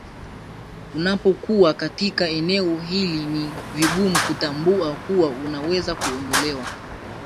unapokuwa katika eneo hili ni vigumu kutambua kuwa unaweza kuondolewa